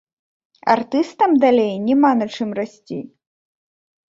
Артыстам далей няма на чым расці.